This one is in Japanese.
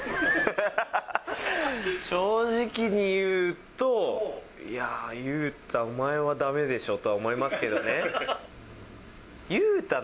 正直に言うと、いやー、雄太、お前はだめでしょとは思いますけどね。